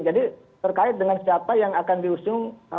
jadi terkait dengan siapa yang akan diusung